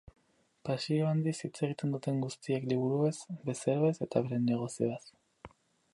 Pasio handiz hitz egiten dute guztiek liburuez, bezeroez eta beren negozioaz.